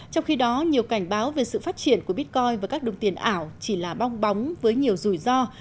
trong khi đó nhiều cảnh báo về sự phát triển của bitcoin và các đồng tiền ảo chỉ là bong bóng với nhiều rủi ro